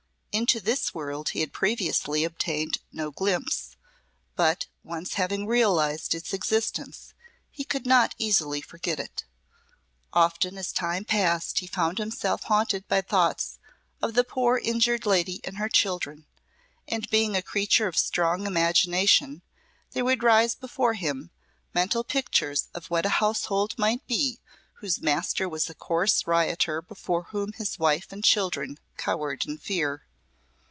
Into this world he had previously obtained no glimpse; but, once having realised its existence, he could not easily forget it. Often as time passed he found himself haunted by thoughts of the poor injured lady and her children, and being a creature of strong imagination, there would rise before him mental pictures of what a household might be whose master was a coarse rioter before whom his wife and children cowered in fear.